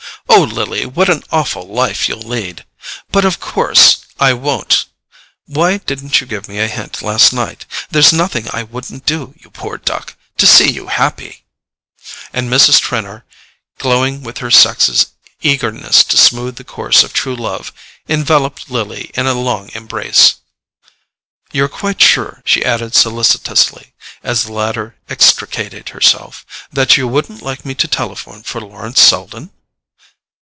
Oh, Lily, what an awful life you'll lead! But of course I won't—why didn't you give me a hint last night? There's nothing I wouldn't do, you poor duck, to see you happy!" And Mrs. Trenor, glowing with her sex's eagerness to smooth the course of true love, enveloped Lily in a long embrace. "You're quite sure," she added solicitously, as the latter extricated herself, "that you wouldn't like me to telephone for Lawrence Selden?"